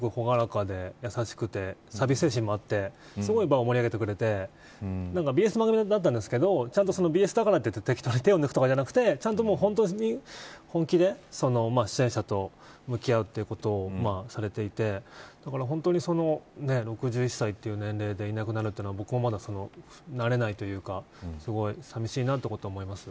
そのときは、すごく朗らかで優しくてサービス精神もあって場を盛り上げてくれてＢＳの番組だったんですけどちゃんとＢＳだからといって適当に手を抜くとかじゃなくて本気で出演者と向き合うということをされていてだから本当に、６１歳という年齢でいなくなるというのは僕もまだ慣れないというかすごい寂しいなと思います。